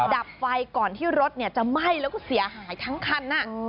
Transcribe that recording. ดับไฟก่อนที่รถจะไหม้แล้วก็เสียหายทั้งคัน